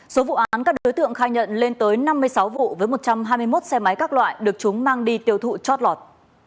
số vụ án các đối tượng khai nhận lên tới năm mươi sáu vụ với một trăm hai mươi một xe máy các loại được chúng mang đi tiêu thụ chót lọt